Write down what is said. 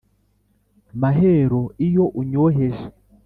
Mahero iyo unyoheje